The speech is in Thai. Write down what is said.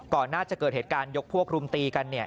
ก่อนน่าจะเกิดเหตุการณ์ยกพวกรุมตีกันเนี่ย